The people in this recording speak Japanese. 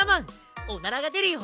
おならがでるよ！